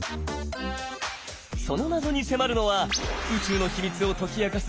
その謎に迫るのは宇宙の秘密を解き明かす